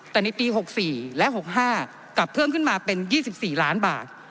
แต่ในปี๖๔และ๖๕กลับเพิ่มขึ้นมาเป็น๒๔ล้านบาท